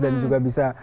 dan juga bisa